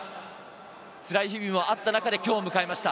つらい日々もあった中で今日を迎えました。